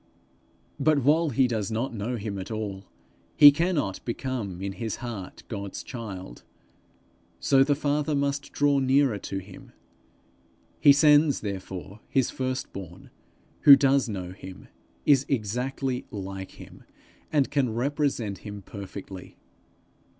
But while he does not know him at all, he cannot become in his heart God's child; so the Father must draw nearer to him. He sends therefore his first born, who does know him, is exactly like him, and can represent him perfectly.